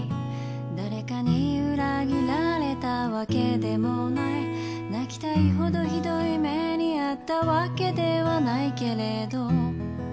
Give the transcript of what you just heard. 「誰かに裏切られたわけでもない」「泣きたいほどひどい目に遭ったわけではないけれど」